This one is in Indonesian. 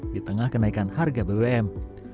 di tengah kenaikan harga bbm